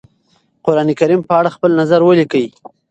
قرآنکريم په اړه خپل نظر وليکی؟